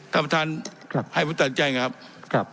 ท่านประธานให้ผมต่ำใจไงครับ